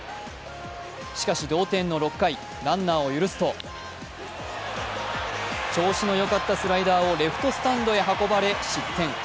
しかし同点の６回、ランナーを許すと調子のよかったスライダーをレフトスタンドへ運ばれ失点。